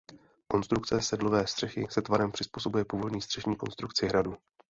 Konstrukce sedlové střechy se tvarem přizpůsobuje původní střešní konstrukci hradu.